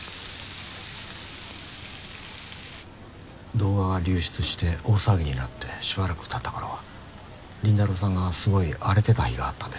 動画が流出して大騒ぎになってしばらく経った頃倫太郎さんがすごい荒れてた日があったんです。